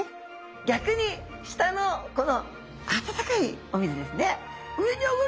逆に下のこの温かいお水ですね。